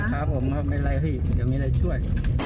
ใช่ครับผมครับไม่ไรพี่เดี๋ยวมีอะไรช่วย